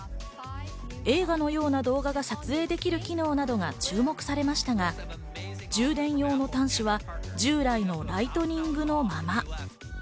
映画のような動画が撮影できる機能などが注目されましたが充電用の端子は従来のライトニングのまま。